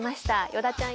与田ちゃん